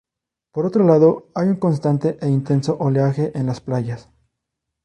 Por otro lado, hay un constante e intenso oleaje en las playas.